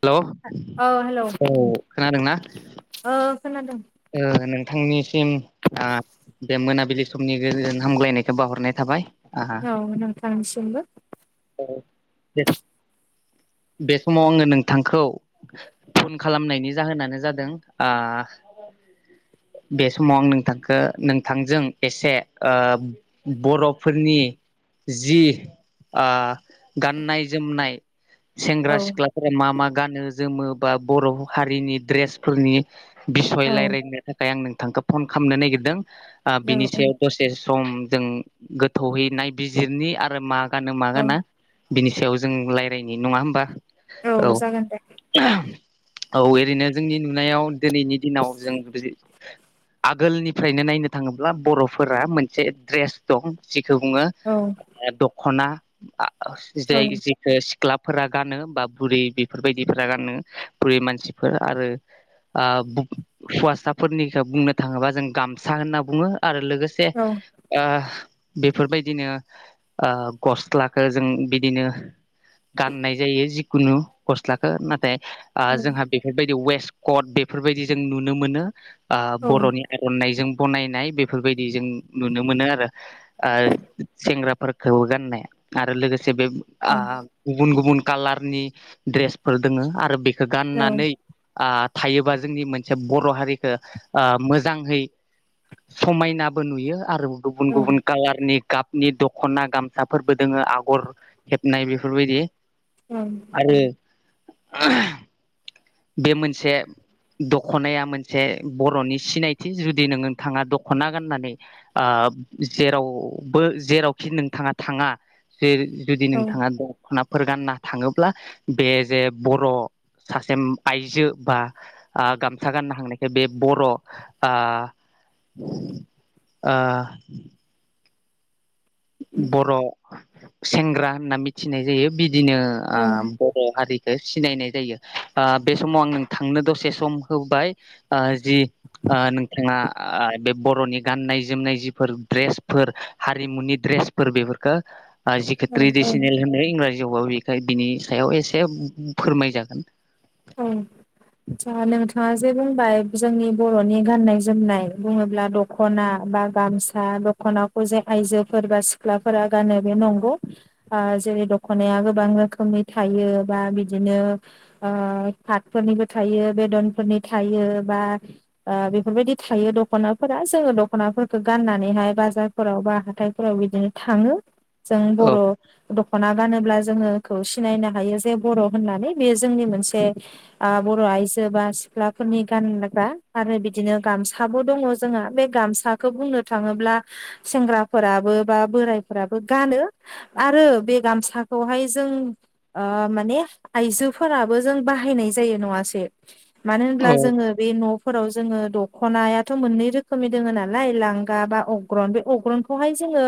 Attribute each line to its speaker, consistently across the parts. Speaker 1: Hello
Speaker 2: औ hello
Speaker 1: औ खोनादों ना
Speaker 2: ओ खोनादों
Speaker 1: नोंथांनिसिम ओ बे मोनाबिलि समनि गोजोन हामग्लायनायखौ बाहरनाय थाबाय आहा
Speaker 2: औ नोंथांनिसिमबो
Speaker 1: बे समाव आङो नोंथांखौ फन खालामनायनि जाहोनानो जादों आ बे समाव आं नोंथांखौ नोंथांजों एसे ओ बर'फोरनि जि ओ गाननाय जोमनाय
Speaker 2: औ
Speaker 1: सेंग्रा सिख्लाफोरा मा मा गानो जोमो बा बर' हारिनि द्रेसफोरनि बिसय
Speaker 2: औ
Speaker 1: रायज्लायनो थाखाय आं नोंथांखौ फन खालामनो नागिरदों ओ बिनि सायाव दसे सम जों गोथौहै नायबिजिरनि आरो मा गानो मा
Speaker 2: औ
Speaker 1: गाना बिनि सायाव जों रायलायनि नङा होमबा
Speaker 2: औ जागोन दे
Speaker 1: औ ओरैनो जोंनि नुनायाव दिनैनि दिनाव जों आगोलनिफ्रायनो नायनो थाङोब्ला बर'फोरा मोनसे द्रेस दं बुङो
Speaker 2: औ
Speaker 1: दखना
Speaker 2: औ
Speaker 1: जाय जेखौ [unintelligible] क्लाबफोरा गानो बा बुरै बेफोरबायदिफोरा गानो बुरै मानसिफोर आरो ओ हौवासाफोरनिखौ बुंनो थाङोबा जों गामसा होनना बुङो आरो लोगोसे
Speaker 2: औ
Speaker 1: ओ बेफोरबायदिनो ओ गस्लाखो जों बिदिनो गाननाय जायो जिखुनु गस्लाखो नाथाय ओ जोंहा बेफोरबायदि वेस कट बेफोरबायदि जों नुनो मोनो ओ
Speaker 2: औ
Speaker 1: बर'नि आर'नाइजों बनायनाय बेफोरबायदि जों नुनो मोनो आरो ओ सेंग्राफोरखौ गाननाय आरो लोगोसे बे ओ
Speaker 2: औ
Speaker 1: गुबुन गुबुन कालारनि ड्रेसफोर दोङो आरो बे गाननानै ओ थायोबा जोंनि मोनसे बर' हारिखो ओ मोजाङै समायनाबो नुयो आरो गुबुन गुबुन कालारनि गाबनि दख'ना गामसाफोरबो दोङो आगर हेबनाय बेफोरबायदि
Speaker 2: औ।
Speaker 1: आरो बे मोनसे द ख'नाया मोनसे बर'नि सिनायथि जुदि नोंङोथाङा दख'ना गाननानै ओ जेरावबो जेरावखि नोंथाङा थाङा जे जुदि नोंथाङा दख'ना फोर गानना थाङोब्ला बे जे बर' सासे उम आइजो बा ओ गाम सा गाननो हांनायखाय बे बर' ओ ओ बर' सेंग्रा होनना मिथिनाय जायो बि दिनो ओ बर' हारि ओ सिनायनाय जायो ओ बे समाव आं नोंथांनो दसे सम होबाय ओ जि ओ नोंथाङा ओ बे बर'नि गाननाय जोमनाय जिफोर ड्रेसफोर हारिमुनि ड्रेसफोर बेफोरखो ओ जिखो
Speaker 2: औ
Speaker 1: ट्रेडिसनेल होनो इंराजि आव बेखाय बिनि सायाव एसे फोरमाय जागोन।
Speaker 2: उम। आत्सा नोंथाङा जे बुंबाय जोंनि बर'नि गाननाय जोमनाय बुङोब्ला दख'ना बा गामसा दख'नाखौ जे आइजोफोर बा सिख्लाफोरा गानो बे नंगौ ओ जेरै दख'नाया गोबां रोखोमनि थायो बा बिदिनो ओ पाटफोरनिबो थायो बेदनफोरनि थायो बा ओ बेफोरबायदि थायो द ख'नाफोरा जोङो दख'नाफोरखौ गाननानैहाय बाजारफोराव बा हाथायफोराव बिदिनो थाङो। जों
Speaker 1: औ
Speaker 2: बर' दख'ना गानोब्ला जोङोखौ सिनायनो हायो जे बर' होननानै बे जोंनि मोनसे ओ बर' आइजो बा सिख्लाफोरनि गानग्रा आरो बिदिनो गामसा बो दङ' जोंहा बे गामसाखो बुंनो थाङोब्ला सेंग्राफोराबो बा बोरायफोराबो गानो आरो बे गामसाखौहाय जों ओ माने आइजो फोराबो जों बाहायनाय जायो नङासै मानो होनब्ला
Speaker 1: औ
Speaker 2: जोङो बे न' फोराव जोङो दख'नायाथ' मोननै रोखोमनि दोङो नालाय लांगा बा अग्रन बे अग्रनखौहाय जों ङो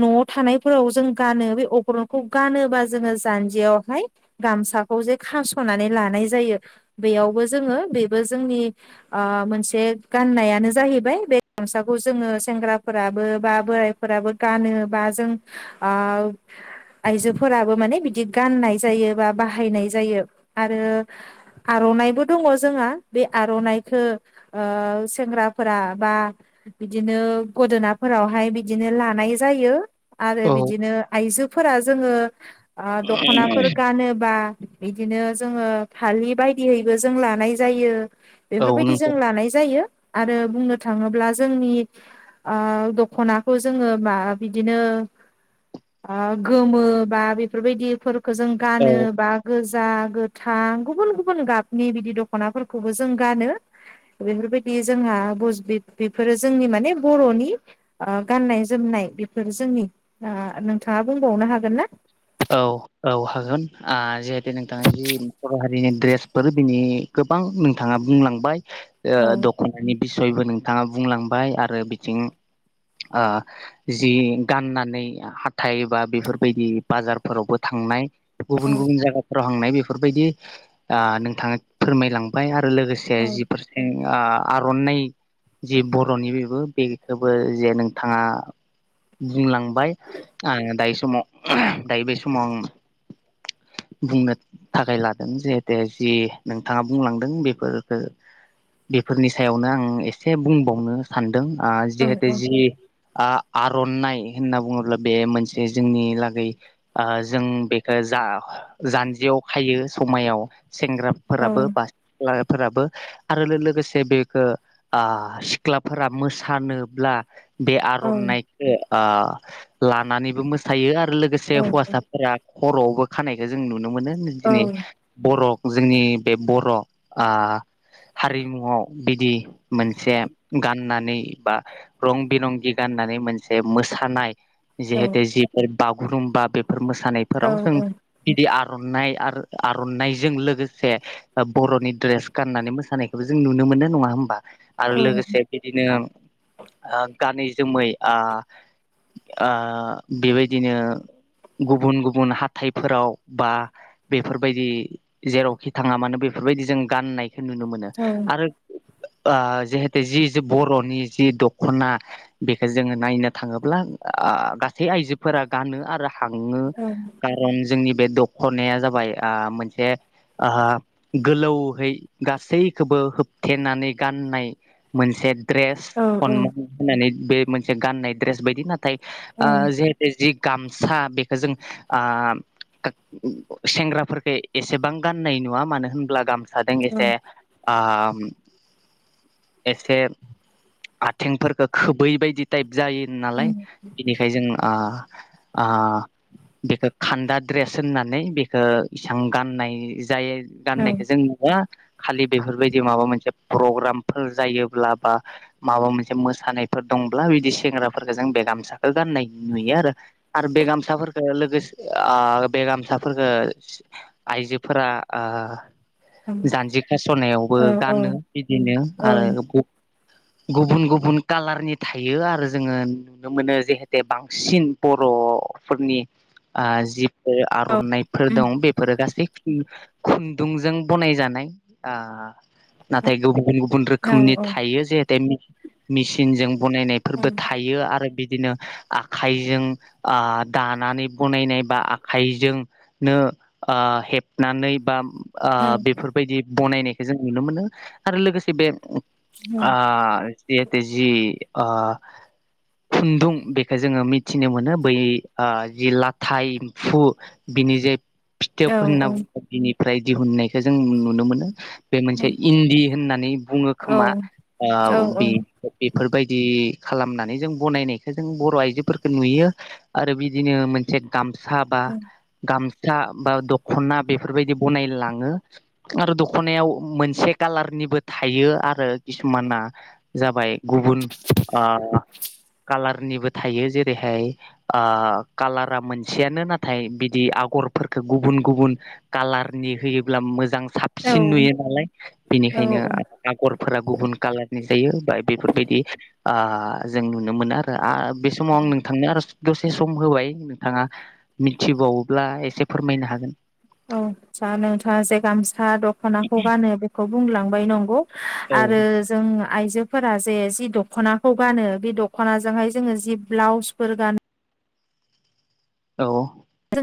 Speaker 2: न'आव थानायफोराव जों गानो बे अग्रनखौ गानोबा जोङो जान्जियावहाय गामसा खौ जे खास'नानै लानाय जायो बेयावबो जोङो बेबो जोंनि ओ मोनसे गाननायानो जाहैबाय बे गामसाखौ जोङो सेंग्राफोराबो बा बोरायफोराबो गानो। बा जों ओ आइजोफोराबो माने बिदि गाननाय जायो बा बा हायनाय जायो आरो आर'नाइबो दङ' जोंहा बे आर'नाइखो ओह सेंग्राफोरा बा बिदिनो गोदोनाफोरावहाय बिदिनो लानाय जायो। आरो
Speaker 1: औ
Speaker 2: बिदिनो आइजोफोरा जोङो ओ दख'नाफोर गानोबा बिदिनो जोङो फालि बायदियैबो जों लानाय जायो।
Speaker 1: औ
Speaker 2: बेफोरबायदि जों
Speaker 1: नोंगौ
Speaker 2: लानाय जायो। आरो बुंनो थाङोब्ला जोंनि ओ दख'नाखौ जोङो मा बिदिनो ओ गोमो बा बेफोरबायदिफोरखौ जों
Speaker 1: औ
Speaker 2: गानो बा जा गोथां गुबुन गुबुन गाबनि बिदि दख'नाफोरखौबो जों गानो बेनिफ्राय बे बेयो जोंहा बुस बिद बिफोरो जोंनि माने बर'नि गाननाय जोमनाय बेफोर जोंनि आह नोंथाङा बुंबावनो हागोन ना?
Speaker 1: औ औ हागोन आह जिहेतु नोंथाङा जि बर' हारिनि ड्रेसफोर बिनि गोबां नोंथाङा बुंलांबाय
Speaker 2: औ
Speaker 1: दख'नानि बिसयबो नों थाङा बुंलांबाय आरो बिथिं ओ जि गाननानै हाथाय बा बेफोरबायदि बाजारफोरावबो थांनाय
Speaker 2: औ
Speaker 1: गुबुन गुबुन जायगाफोराव बांनाय बेफोरबायदि नोंथाङा फोरमायलांबाय आरो लोगोसे
Speaker 2: औ
Speaker 1: जिफोरसे आर'नाइ जि बर'नि बेबो बेखौबो जे नोंथाङा बुंलांबाय आ दायो समाव दायो बे समाव आं [inaudible] बुंनो थाखाय लादों जिहेते जि नोंथाङा बुंलांदों बेफोरफोरखो बेफोरनि सायावनो आं एसे बुंबावनो सानदों
Speaker 2: औ
Speaker 1: जिहेतु जि आर'नाइ होनना बुङोब्ला बे मोनसे जोंनि लागै जों बेखौ जा जानजियाव खायो समायाव सेंग्राफोराबो बा [unintelligible] फोराबो आरो लोगोसे बेखौ सिख्लाफोरा मोसानोब्ला बे
Speaker 2: औ
Speaker 1: आर'नाइखौ लानानैबो मोसायो आरो लोगोसे
Speaker 2: औ
Speaker 1: हौवासाफोरा खर'आवबो खानायखौ जों नुनो मोनो
Speaker 2: औ
Speaker 1: दिनै बर' जोंनि बे बर' ओ हारिमुआव बिदि मोनसे गाननानै बा रं बिरंगि गान होननानै मोनसे मोसानाय
Speaker 2: औ
Speaker 1: जिहेतु जिफोर बागुरुमबा बेफोर मोसानायफोराव जों गिदिर आ र'नाय आर'नायजों लोगोसे बर'नि द्रेस गाननानै मोसानायखौबो जों नुनो मो नो नङा होमबा
Speaker 2: औ
Speaker 1: आरो
Speaker 2: औ
Speaker 1: लोगोसे बिदिनो गानै जोमै बेबायदिनो गुबुन गुबुन हाथाइफोराव बा बेफोरबायदि जेरावखि थाङा मानो बेफोरबायदि जों गाननायखौ नुनो मोनो
Speaker 2: औ
Speaker 1: आरो जिहेतु जि बर'नि जि दख'ना बेखौ जोङो नायनो थाङोब्ला गासै आइजोफोरा गानो आरो हाङो खारन जोंनि बे दख'नाया जाबाय आ मोनसे गोलौहै गासैखौबो होबथेनानै गाननाय मोनसे द्रेस होननानै बे मोनसे गाननाय द्रेस बायदि नाथाय जिहेते गामसा बेखौ जों ओ सेंग्राफोरफोरखौ एसेबां गाननाय नुङा मानो होनोबब्ला गाम सादिंसे आ एसे आथिंफोरखौ खोबैबायदि टाइप जायो नालाय बिनिखायनो जों बेखौ खान्दा द्रेस होननानै बेखौ इसां गाननाय जायो गाननायखौ जों न खालि बेफोरबायदि माबा मोनसे प्रग्रामफोर जायोब्ला बा माबा मोनसे मोसानाय फोर दंब्ला बिदि सेंग्राफोरफोरखौ जों बे गामसाखौ गान्नाय नुयो आरो आरो बे गामसाफोरखो लोगोसे बे गामसाफोरखौ आइजोफोरा जान्जि खास'नायावबो गानो बिदिनो आरो गुबुन गुबुन कालारनि थायो आरो जोङो नुनो मोनो जहेते बांसिन बरफोरनि आ जिफोर आरनाइफोर दं बेफोरो गासै खुन्दुंजों बनायजानाय आ नाथाय गुबुन गुबुन गुबुन
Speaker 2: औ
Speaker 1: रोखोमनि
Speaker 2: औ
Speaker 1: थायो जेते‌‌ मेसिनजों बनायनायफोरबो थायो आरो बिदि बिदिनो आखाइजों आ दानानै बनायनाय बा आखाइजोंनो आ हेबनानै बा आ बेफोरबायदि बनायनायखौ जों नुनो मोनो आरो लोगोसे बे आ जिहेथु जि आ खुन्दुं बेखौ जोङो मिथिनो मोनो बै ओ जि लाथाय एम्फु बिनि जे फिथोब होनना बुङो बिनि फ्राय दिहुननायखौ जों नुनो मोनो बे मोनसे इन्दि होननानै बुङो खोमा
Speaker 2: औ-औ-औ-औ-औ-औ-औ-औ-औ-औ
Speaker 1: ओव बे बेफोरबायदि खालामनानै जों बनायनायखौ जों बर आइजोफोरखो नुयो आरो बिदिनो मोनसे गामसा साबा गामसा। सा बा दखना बेफोरबायदि बनायलाङो आरो दखनायाव मोनसे कालारनि बो थायो आरो किसुमाना जाबाय गुबुन आ कालारनिबो थायो जेरैहाय ओ कालारा मोनसेयानो नाथाय बिदि आगरफोरखो गुबुन गुबुन कालार कालारनि होयोब्ला मोजां साबसिन नुयो नालाय बेनिखायनो आगरफोरा गुबुन कालारनि जायो। बेफोरबायदि जों नुनो मोनो आरो बे समाव आं नोंथांनो आरो दसे सम होबाय नोंथाङा मिथिबावोब्ला एसे फोरमायनो हागोन।
Speaker 2: औ जा नोंथाङा जे गामसा दखनाखौ गानो बेखौ बुंलांबाय नंगौ
Speaker 1: औ
Speaker 2: आरो जोंङा आइजोफोरा जे जि दखनाखौ गानो बे दखनाजोंहाय जोङो जि ब्लाउसफोर गानो
Speaker 1: औ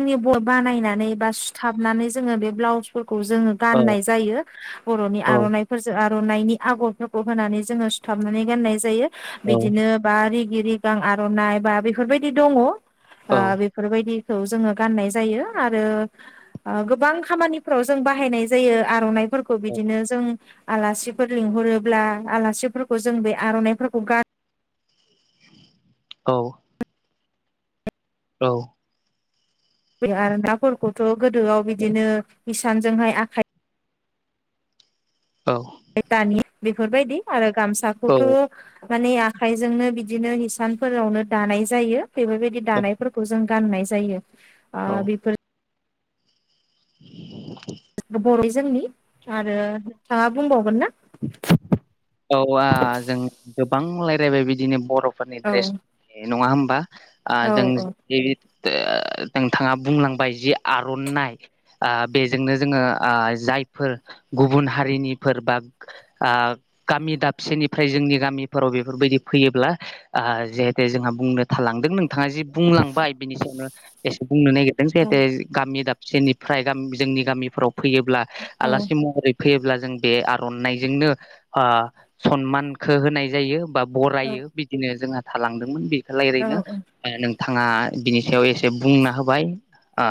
Speaker 2: जोंनि ब बानायनानै बा सुथाबनानै जोङो बे ब्लाउसफोर खौ जोङो
Speaker 1: औ
Speaker 2: गाननाय जायो बर'नि
Speaker 1: औ
Speaker 2: आर'नाइफोरजों आरो आर'नायनि‌ आगरफोरखौ होनानै जोङो‌ सुथाबनानै गाननाय जायो
Speaker 1: औ
Speaker 2: बिदिनो बा रि गि रिगां आर'नाइ बा बेफोरबायदि दङ आ
Speaker 1: औ
Speaker 2: बेफोरबायदि खौ जोङो गाननाय जायो आरो ओ गोबां खामानिफ्राव जों बाहायनाय जायो आर'नाइफोर फोरखौ
Speaker 1: औ
Speaker 2: बिदिनो जों आलासिफोर लिंहरोब्ला आलासिफोरखौ जों बे आर'नाइफोरखौ गान
Speaker 1: औ औ
Speaker 2: आर'नाफोरखौथ' गोदोआव बिदिनो इसानजोंहाय आखाइ
Speaker 1: औ
Speaker 2: हाय दानि बेफोरबायदि आरो गामसाखौथ' माने आखायजोंनो बिदिनो हिसानफोरावनो दानाय जायो बेफोरबायदि
Speaker 1: औ
Speaker 2: दानायफोरखौ जों गाननाय जायो आ
Speaker 1: औ
Speaker 2: बेफोर
Speaker 1: [inaudible]
Speaker 2: बर'नि जोंनि आरो नोंथाङा बुंबावगोन ना।
Speaker 1: औ आ जों गोबां रायलायबाय बिदिनो बर'फोरनि
Speaker 2: औ
Speaker 1: ड्रेसनि नङा होमबा आ
Speaker 2: औ
Speaker 1: जों जिति नोंथाङा बुंलांबाय जि आर'नाइ ओ बेजोंनो जोङो जाय फोर गुबुन हारिनिफोर बा आ गामि दाबसेनिफ्राय जोंनि गामिफोराव बेफोरबायदि फैयोब्ला आ जिहेते जोंहा बुंनो थालांदों नों थाङा जि बुंलांबाय बिनि सायावनो एसे बुंनो नागिरदों
Speaker 2: औ
Speaker 1: जेहेथे गामि दाब सेनिफ्राय जोंनि गामिफोराव फैयोब्ला
Speaker 2: औ
Speaker 1: आलासि महरै फैयोब्ला जों बे आर'नाइजोंनो सनमानखौ होनाय जायो बा बरायो बिदिनो जोंहा थालांदोंमोन बेखो रायलायनो ओ नों थाङा बिनि सायाव एसे बुंना होबाय ओ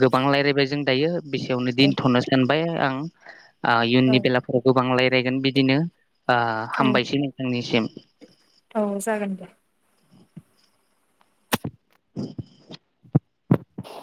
Speaker 1: गोबां रायज्लायबाय जों दायो। बेसेयावनो दोनथ'नो सानबाय आं ओ
Speaker 2: औ
Speaker 1: इयुननि बेलाफोराव गोबां रायज्लायगोन बिदिनो ओ
Speaker 2: औ
Speaker 1: हामबायसै नोंथांनिसिम।
Speaker 2: औ जागोन दे
Speaker 1: [unintelligible]
Speaker 2: [inaudible]